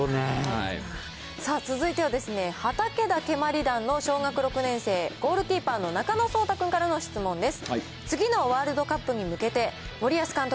さあ、続いては畑田けまり団の小学６年生、ゴールキーパーの中野颯太君からの質問です。